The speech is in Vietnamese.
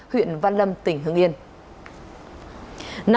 huyện văn lâm tỉnh hương yên